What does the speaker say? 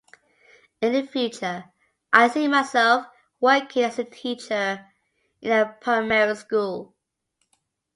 In the future, I see myself working as a teacher in a primary school.